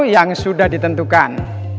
yang sudah ditentukan